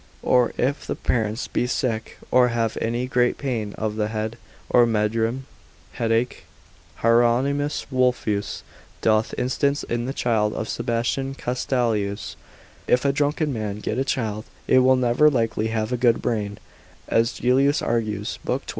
18, or if the parents be sick, or have any great pain of the head, or megrim, headache, (Hieronymus Wolfius doth instance in a child of Sebastian Castalio's); if a drunken man get a child, it will never likely have a good brain, as Gellius argues, lib. 12.